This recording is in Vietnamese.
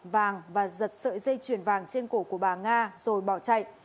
vàng và giật sợi dây chuyền vàng trên cổ của bà nga rồi bỏ chạy